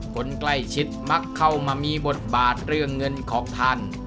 คนใกล้ชิดมักเข้ามามีบทบาทเรื่องเงินของท่าน